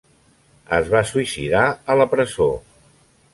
Es va suïcidar a la presó.